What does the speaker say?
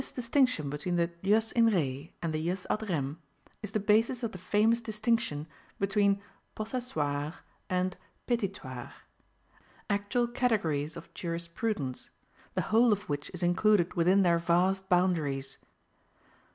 This distinction between the jus in re and the jus ad rem is the basis of the famous distinction between possessoire and petitoire, actual categories of jurisprudence, the whole of which is included within their vast boundaries.